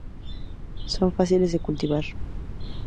Son fáciles de cultivar.